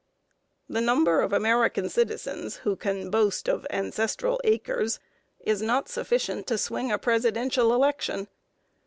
The number of American citizens who can boast of ancestral acres is not sufficient to swing a presidential election.